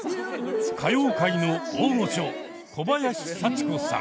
歌謡界の大御所小林幸子さん。